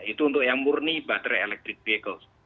itu untuk yang murni baterai elektrik vehicles